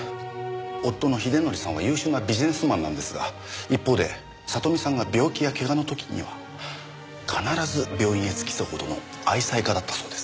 夫の秀典さんは優秀なビジネスマンなんですが一方で聡美さんが病気や怪我の時には必ず病院へ付き添うほどの愛妻家だったそうです。